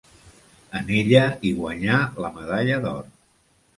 En ella hi guanyà la medalla d'or.